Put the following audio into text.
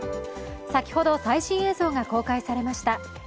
先ほど最新映像が公開されました。